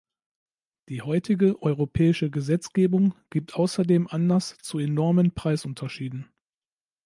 Die heutige europäische Gesetzgebung gibt außerdem Anlass zu enormen Preisunterschieden.